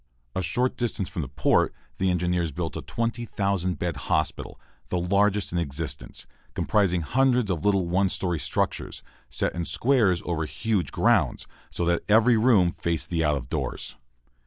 A short distance from the port, the engineers built a 20,000 bed hospital, the largest in existence, comprising hundreds of little one story structures, set in squares over huge grounds, so that every room faced the out of doors.